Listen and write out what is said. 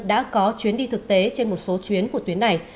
đã có chuyến đi thực tế trên một số chuyến của tuyến này